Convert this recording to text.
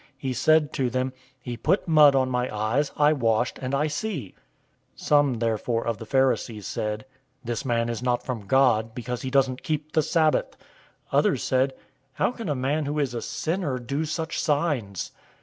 He said to them, "He put mud on my eyes, I washed, and I see." 009:016 Some therefore of the Pharisees said, "This man is not from God, because he doesn't keep the Sabbath." Others said, "How can a man who is a sinner do such signs?"